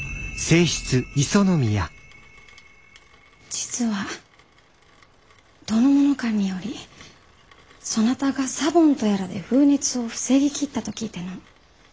実は主殿頭よりそなたがサボンとやらで風熱を防ぎきったと聞いての。